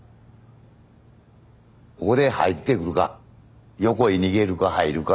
ここで入ってくるか横へ逃げるか入るか。